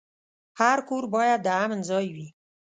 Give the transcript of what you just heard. هر کور باید د امن ځای وي.